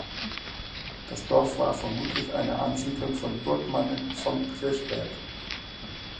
Das Dorf war vermutlich eine Ansiedlung von Burgmannen von Kirchberg.